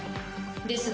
ですが。